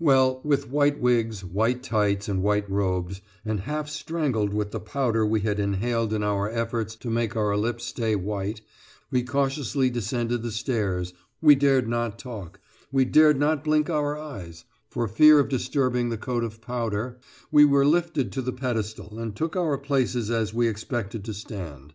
Well, with white wigs, white tights, and white robes, and half strangled with the powder we had inhaled in our efforts to make our lips stay white, we cautiously descended the stairs we dared not talk, we dared not blink our eyes, for fear of disturbing the coat of powder we were lifted to the pedestal and took our places as we expected to stand.